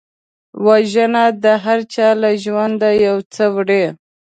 وژنه د هرچا له ژونده یو څه وړي